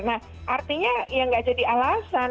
nah artinya ya nggak jadi alasan